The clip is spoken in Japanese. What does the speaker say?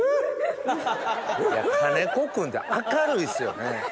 金子君って明るいっすよね。